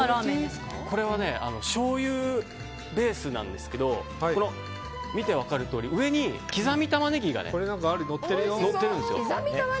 これはしょうゆベースですが見て分かるとおり上に刻みタマネギがのってるんです。